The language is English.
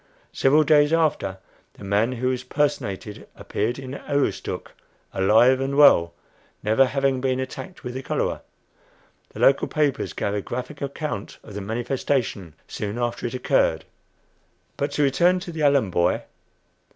Several days after, the man who was "personated" appeared in Aroostook, alive and well, never having been attacked with the cholera. The local papers gave a graphic account of the "manifestation" soon after it occurred. But to return to the Allen boy.